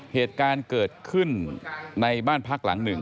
เหตุการณ์เกิดขึ้นในบ้านพักหลังหนึ่ง